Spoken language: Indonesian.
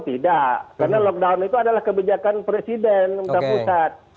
tidak karena lockdown itu adalah kebijakan presiden pusat